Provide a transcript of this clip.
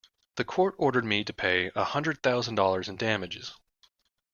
The court ordered me to pay a hundred thousand dollars in damages.